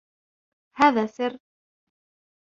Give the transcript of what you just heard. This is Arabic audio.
هذا سر.